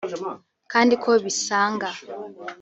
kandi ko bisanga